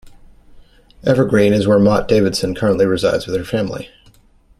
Evergreen is where Mott Davidson currently resides with her family.